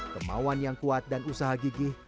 kemauan yang kuat dan usaha gigih